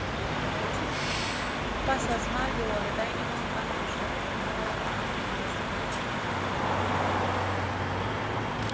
پس از مرگ والدینمان، غم مشترک ما را به هم نزدیکتر کرد.